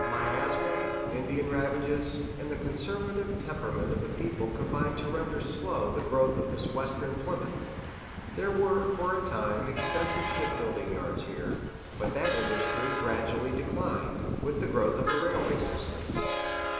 Miasma, Indian ravages, and the conservative temperament of the people combined to render slow the growth of this Western Plymouth. There were, for a time, extensive ship building yards here; but that industry gradually declined, with the growth of railway systems.